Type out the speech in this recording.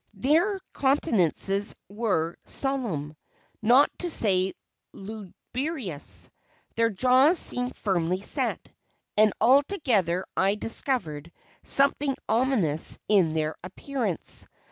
Their countenances were solemn, not to say lugubrious; their jaws seemed firmly set, and altogether I discovered something ominous in their appearance.